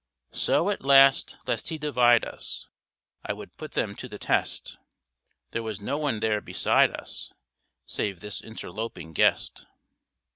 So, at last, lest he divide us, I would put them to the test. There was no one there beside us, Save this interloping guest.